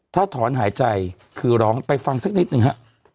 ถ้าถอนหายใจคือร้องไปฟังสักนิดหนึ่งฮะ